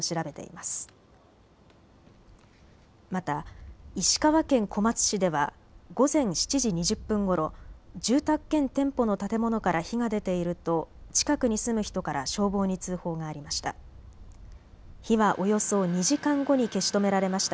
また石川県小松市では午前７時２０分ごろ、住宅兼店舗の建物から火が出ていると近くに住む人から消防に通報がありました。